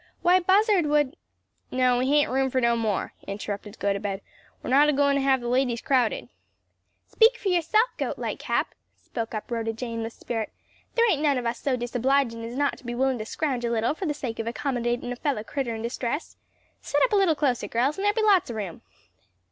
"Why, Buzzard would " "No, we hain't room for no more?" interrupted Gotobed. "We're not agoin' to have the ladies crowded." "Speak fur yerself, Gote Lightcap," spoke up Rhoda Jane with spirit. "There ain't none of us so disobligin' as not to be willin' to scrouge a little for the sake of accommodatin' a fellow critter in distress. Set up a little closer, girls, and there'll be lots o' room."